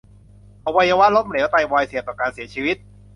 อวัยวะล้มเหลว ไตวาย เสี่ยงต่อการเสียชีวิต